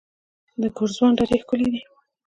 د ګرزوان درې ښکلې دي